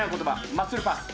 「マッスルパース」。